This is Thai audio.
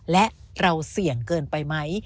และเราเสี่ยงเกินไปไหม